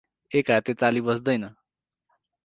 एक हातले तालि बज्दैन